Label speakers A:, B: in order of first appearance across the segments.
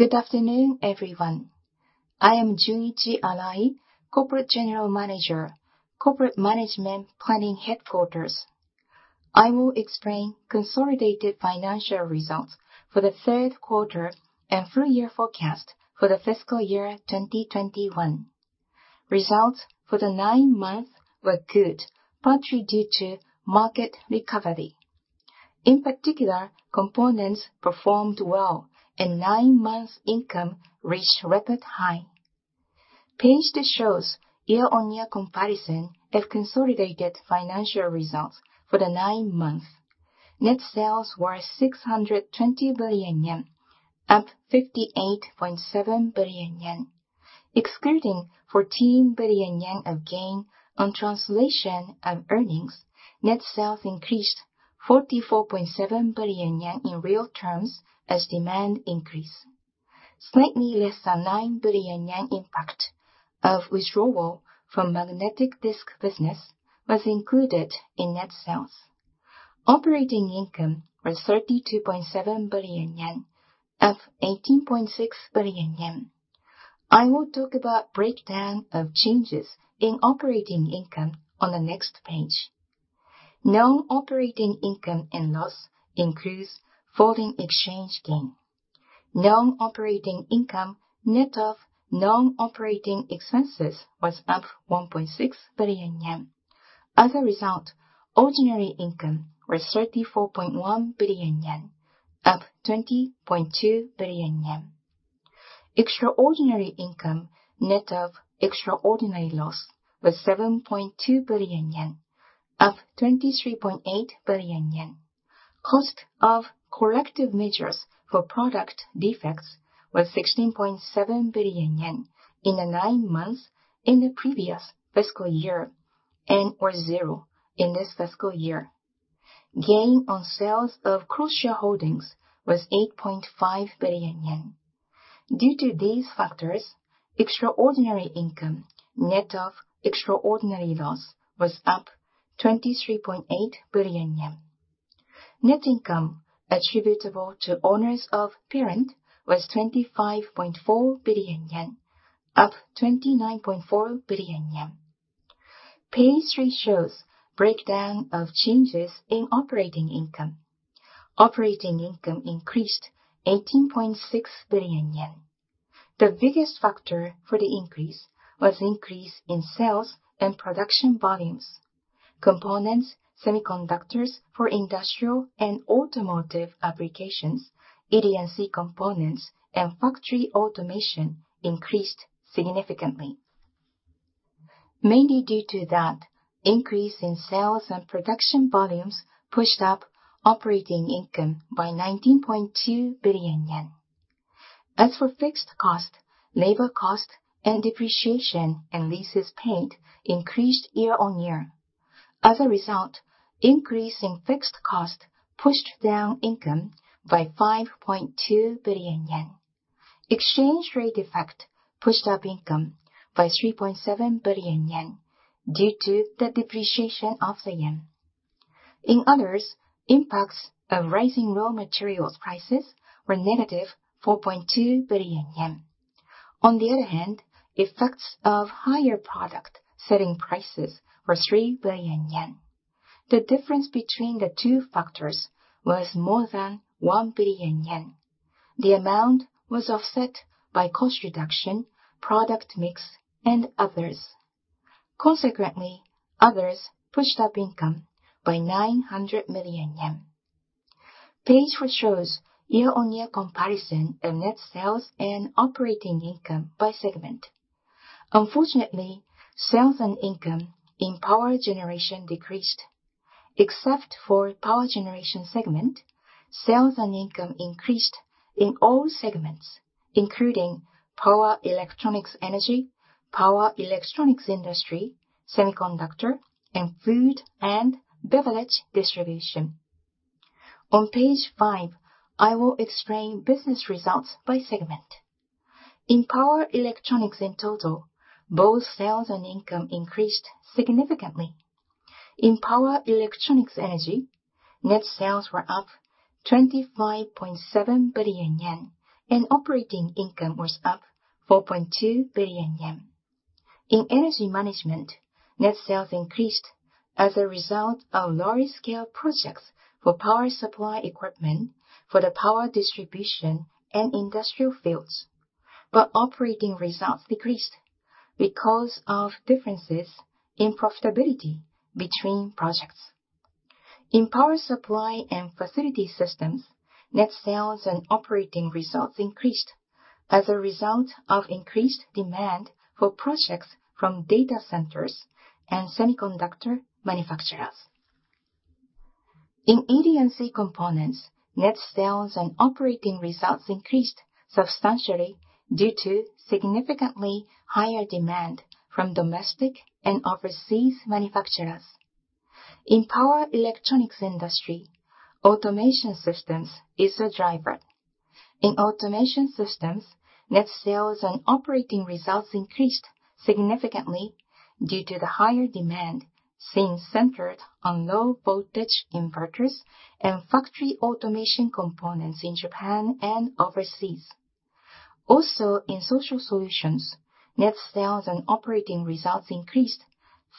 A: Good afternoon, everyone. I am Junichi Arai, Corporate General Manager, Corporate Management Planning Headquarters. I will explain consolidated financial results for the third quarter and full year forecast for the fiscal year 2021. Results for the nine months were good, partly due to market recovery. In particular, components performed well and nine-month income reached record high. The page that shows year-on-year comparison of consolidated financial results for the nine months. Net sales were 620 billion yen, up 58.7 billion yen. Excluding 14 billion yen of gain on translation of earnings, net sales increased 44.7 billion yen in real terms as demand increased. Slightly less than 9 billion yen impact of withdrawal from magnetic disk business was included in net sales. Operating income was 32.7 billion yen, up 18.6 billion yen. I will talk about breakdown of changes in operating income on the next page. Non-operating income and loss includes foreign exchange gain. Non-operating income, net of non-operating expenses, was up 1.6 billion yen. As a result, ordinary income was 34.1 billion yen, up 20.2 billion yen. Extraordinary income, net of extraordinary loss, was 7.2 billion yen, up 23.8 billion yen. Cost of corrective measures for product defects was 16.7 billion yen in the nine months in the previous fiscal year and was 0 in this fiscal year. Gain on sales of cross-shareholdings was 8.5 billion yen. Due to these factors, extraordinary income, net of extraordinary loss, was up 23.8 billion yen. Net income attributable to owners of parent was 25.4 billion yen, up 29.4 billion yen. Page three shows breakdown of changes in operating income. Operating income increased 18.6 billion yen. The biggest factor for the increase was increase in sales and production volumes. Components, semiconductors for industrial and automotive applications, ED&C components, and factory automation increased significantly. Mainly due to that, increase in sales and production volumes pushed up operating income by 19.2 billion yen. As for fixed cost, labor cost and depreciation and leases paid increased year-on-year. As a result, increase in fixed cost pushed down income by 5.2 billion yen. Exchange rate effect pushed up income by 3.7 billion yen due to the depreciation of the yen. In others, impacts of rising raw materials prices were -4.2 billion yen. On the other hand, effects of higher product selling prices were 3 billion yen. The difference between the two factors was more than 1 billion yen. The amount was offset by cost reduction, product mix, and others. Consequently, others pushed up income by 900 million yen. Page four shows year-on-year comparison of net sales and operating income by segment. Unfortunately, sales and income in Power Generation decreased. Except for Power Generation segment, sales and income increased in all segments, including Power Electronics/Energy, Power Electronics/Industry, Semiconductor, and Food and Beverage Distribution. On page five, I will explain business results by segment. In Power Electronics in total, both sales and income increased significantly. In Power Electronics/Energy, net sales were up 25.7 billion yen, and operating income was up 4.2 billion yen. In Energy Management, net sales increased as a result of large-scale projects for power supply equipment for the power distribution and industrial fields. Operating results decreased because of differences in profitability between projects. In power supply and facility systems, net sales and operating results increased as a result of increased demand for projects from data centers and semiconductor manufacturers. In ED&C components, net sales and operating results increased substantially due to significantly higher demand from domestic and overseas manufacturers. In Power Electronics Industry, automation systems is a driver. In automation systems, net sales and operating results increased significantly due to the higher demand, since centered on low-voltage inverters and factory automation components in Japan and overseas. Also, in social solutions, net sales and operating results increased,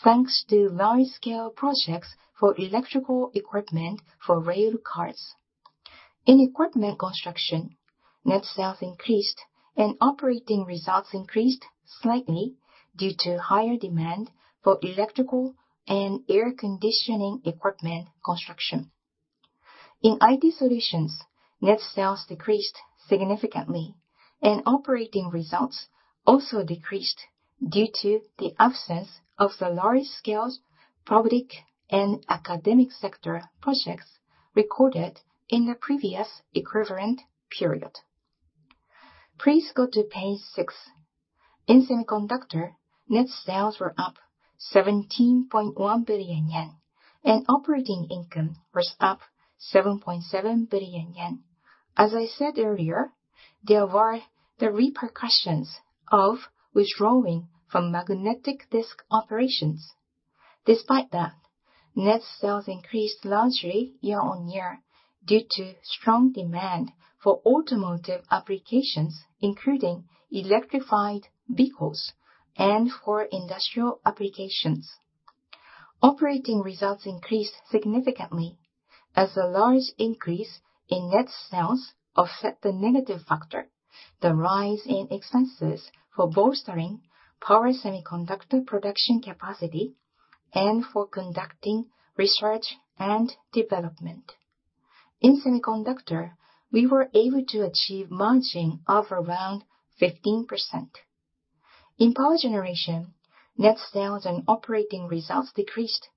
A: thanks to large scale projects for electrical equipment for rail cars. In equipment construction, net sales increased and operating results increased slightly due to higher demand for electrical and air conditioning equipment construction. In IT solutions, net sales decreased significantly, and operating results also decreased due to the absence of the large-scale public and academic sector projects recorded in the previous equivalent period. Please go to page six. In Semiconductor, net sales were up 17.1 billion yen and operating income was up 7.7 billion yen. As I said earlier, there were the repercussions of withdrawing from magnetic disk operations. Despite that, net sales increased largely year-on-year due to strong demand for automotive applications, including electrified vehicles and for industrial applications. Operating results increased significantly as a large increase in net sales offset the negative factor, the rise in expenses for bolstering power semiconductor production capacity and for conducting research and development. In Semiconductor, we were able to achieve margin of around 15%. In power generation, net sales and operating results decreased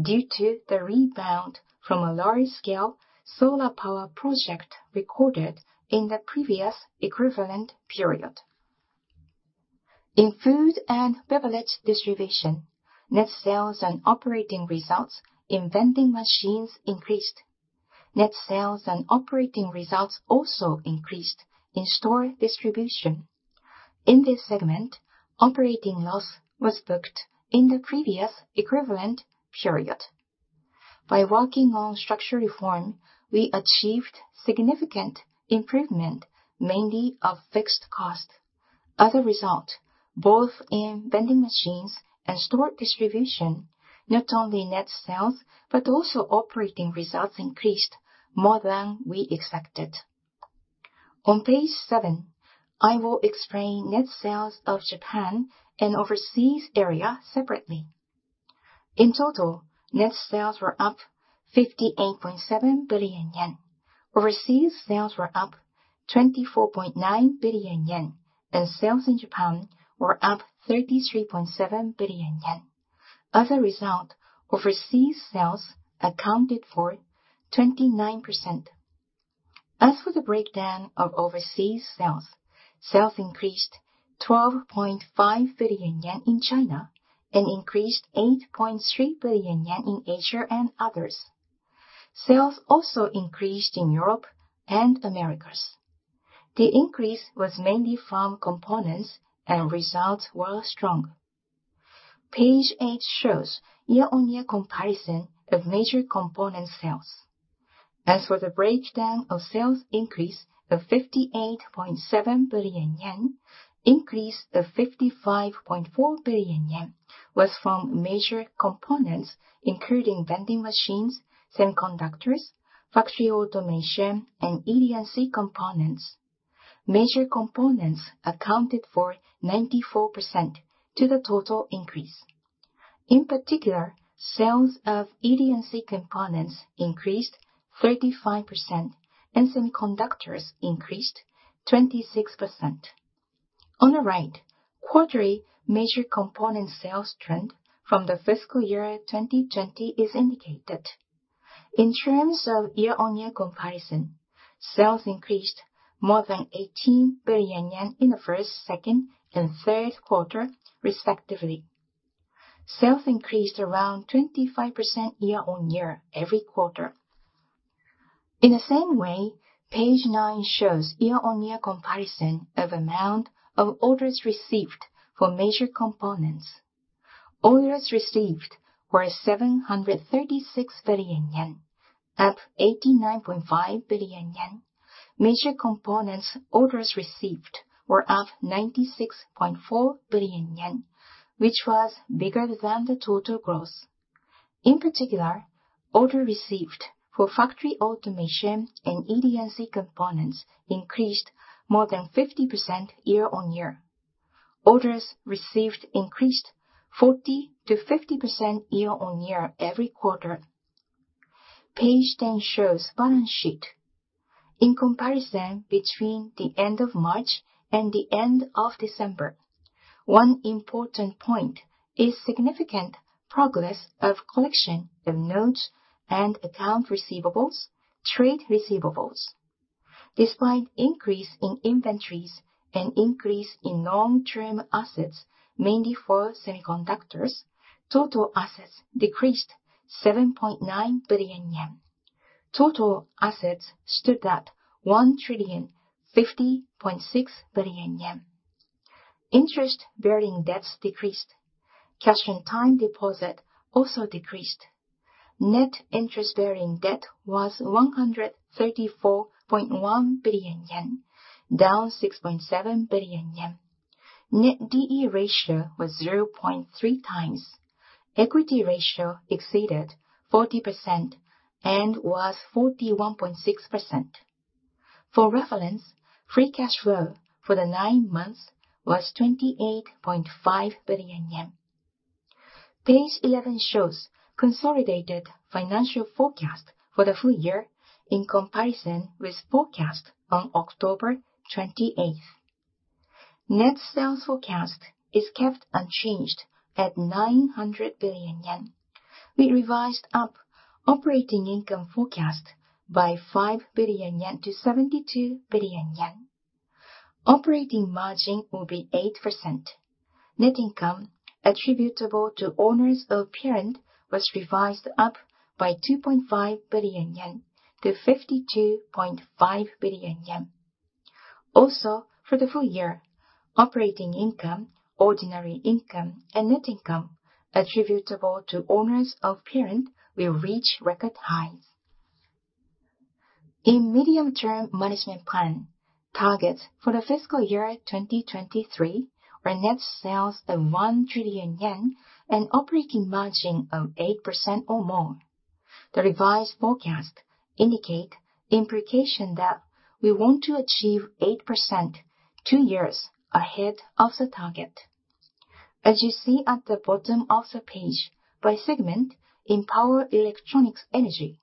A: due to the rebound from a large scale solar power project recorded in the previous equivalent period. In Food and Beverage Distribution, net sales and operating results in vending machines increased. Net sales and operating results also increased in store distribution. In this segment, operating loss was booked in the previous equivalent period. By working on structural reform, we achieved significant improvement, mainly of fixed cost. As a result, both in vending machines and store distribution, not only net sales, but also operating results increased more than we expected. On page seven, I will explain net sales of Japan and overseas area separately. In total, net sales were up 58.7 billion yen. Overseas sales were up 24.9 billion yen, and sales in Japan were up 33.7 billion yen. As a result, overseas sales accounted for 29%. As for the breakdown of overseas sales increased 12.5 billion yen in China and increased 8.3 billion yen in Asia and others. Sales also increased in Europe and Americas. The increase was mainly from components and results were strong. Page eight shows year-on-year comparison of major component sales. As for the breakdown of sales increase of 58.7 billion yen, increase of 55.4 billion yen was from major components, including vending machines, semiconductors, factory automation, and ED&C components. Major components accounted for 94% to the total increase. In particular, sales of ED&C components increased 35%, and semiconductors increased 26%. On the right, quarterly major component sales trend from the fiscal year 2020 is indicated. In terms of year-on-year comparison, sales increased more than 18 billion yen in the first, second and third quarter, respectively. Sales increased around 25% year-on-year every quarter. In the same way, page nine shows year-on-year comparison of amount of orders received for major components. Orders received were 736 billion yen, up 89.5 billion yen. Major components orders received were up 96.4 billion yen, which was bigger than the total growth. In particular, orders received for factory automation and ED&C components increased more than 50% year-on-year. Orders received increased 40%-50% year-on-year every quarter. Page 10 shows balance sheet. In comparison between the end of March and the end of December, one important point is significant progress of collection of notes and accounts receivable, trade receivables. Despite increase in inventories and increase in long-term assets, mainly for semiconductors, total assets decreased 7.9 billion yen. Total assets stood at 1,050.6 billion yen. Interest-bearing debts decreased. Cash and time deposit also decreased. Net interest-bearing debt was 134.1 billion yen, down 6.7 billion yen. Net D/E ratio was 0.3X. Equity ratio exceeded 40% and was 41.6%. For reference, free cash flow for the nine months was 28.5 billion yen. Page 11 shows consolidated financial forecast for the full year in comparison with forecast on October 28th. Net sales forecast is kept unchanged at 900 billion yen. We revised up operating income forecast by 5 billion-72 billion yen. Operating margin will be 8%. Net income attributable to owners of parent was revised up by 2.5 billion-52.5 billion yen. Also, for the full year, operating income, ordinary income, and net income attributable to owners of parent will reach record highs. In medium-term management plan, targets for the fiscal year 2023 were net sales of 1 trillion yen and operating margin of 8% or more. The revised forecast indicates implication that we want to achieve 8% two years ahead of the target. As you see at the bottom of the page, by segment, in Power Electronics/Energy,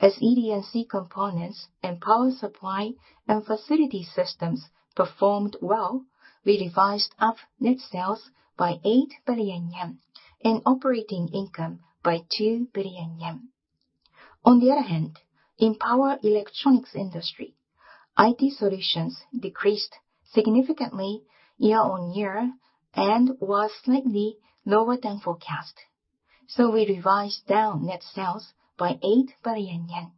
A: as ED&C components and power supply and facility systems performed well, we revised up net sales by 8 billion yen and operating income by 2 billion yen. On the other hand, in Power Electronics/Industry, IT solutions decreased significantly year-on-year and was slightly lower than forecast. We revised down net sales by 8 billion yen.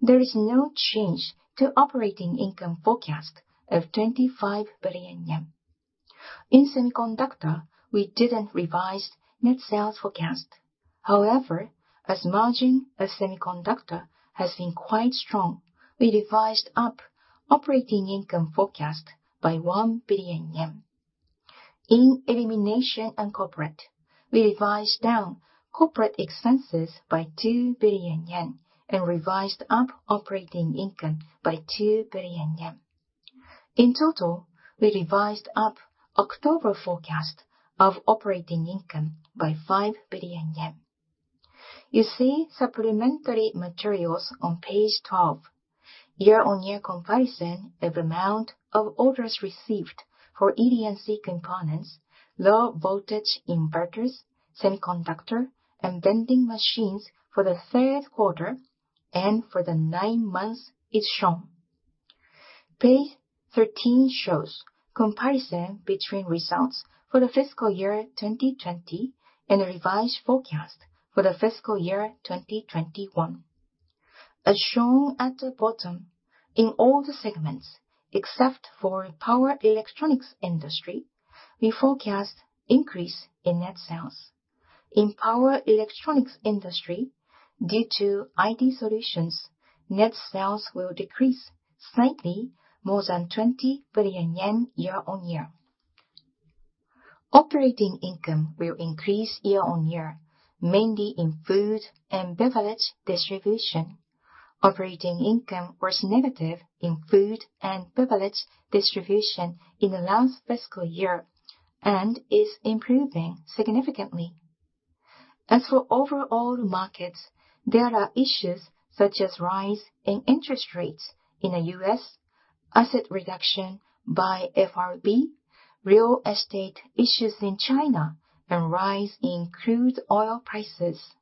A: There is no change to operating income forecast of 25 billion yen. In Semiconductor, we didn't revise net sales forecast. However, as margin of Semiconductor has been quite strong, we revised up operating income forecast by 1 billion yen. In Elimination and Corporate, we revised down corporate expenses by 2 billion yen and revised up operating income by 2 billion yen. In total, we revised up October forecast of operating income by 5 billion yen. You see supplementary materials on page 12. Year-on-year comparison of amount of orders received for ED&C components, low-voltage inverters, Semiconductor, and vending machines for the third quarter and for the nine months is shown. Page 13 shows comparison between results for the fiscal year 2020 and a revised forecast for the fiscal year 2021. As shown at the bottom, in all the segments, except for Power Electronics/Industry, we forecast increase in net sales. In Power Electronics/Industry, due to IT solutions, net sales will decrease slightly more than 20 billion yen year-on-year. Operating income will increase year-on-year, mainly in Food and Beverage Distribution. Operating income was negative in Food and Beverage Distribution in the last fiscal year and is improving significantly. As for overall markets, there are issues such as rise in interest rates in the U.S., asset reduction by FRB, real estate issues in China, and rise in crude oil prices.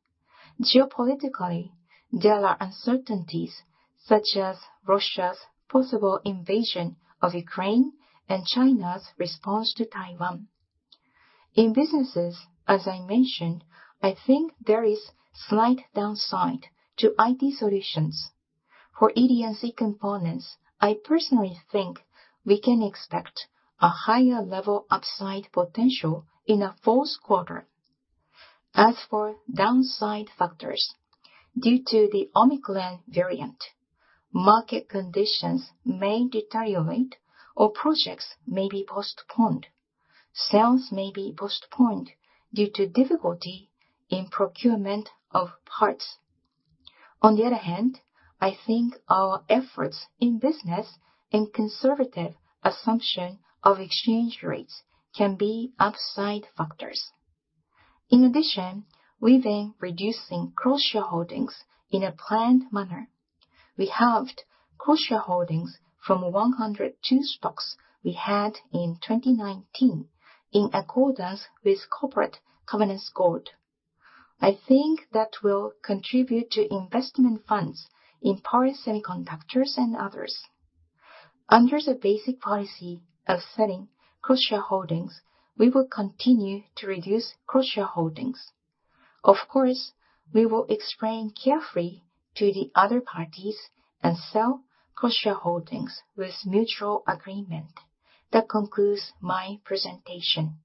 A: Geopolitically, there are uncertainties such as Russia's possible invasion of Ukraine and China's response to Taiwan. In businesses, as I mentioned, I think there is slight downside to IT solutions. For ED&C components, I personally think we can expect a higher level upside potential in the fourth quarter. As for downside factors, due to the Omicron variant, market conditions may deteriorate or projects may be postponed. Sales may be postponed due to difficulty in procurement of parts. On the other hand, I think our efforts in business and conservative assumption of exchange rates can be upside factors. In addition, we've been reducing cross-shareholdings in a planned manner. We halved cross-shareholdings from 102 stocks we had in 2019 in accordance with Corporate Governance Code. I think that will contribute to investment funds in power semiconductors and others. Under the basic policy of selling cross-shareholdings, we will continue to reduce cross-shareholdings. Of course, we will explain carefully to the other parties and sell cross-shareholdings with mutual agreement. That concludes my presentation.